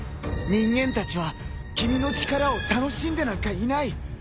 人間たちは君の力を楽しんでなんかいない。